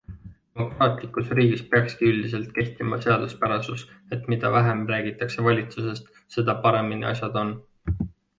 Demokraatlikus riigis peakski üldiselt kehtima seaduspärasus, et mida vähem räägitakse valitsusest, seda paremini asjad on.